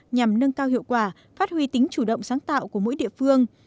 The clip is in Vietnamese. nhằm nâng cao hiệu quả phát huy tính chủ động sáng tạo của mỗi địa phương